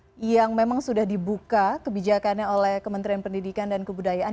ini yang memang sudah dibuka kebijakannya oleh kementerian pendidikan dan kebudayaan